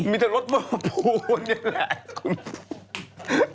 หินด้วยเว้ยรถโม่ปูนนี่แหละ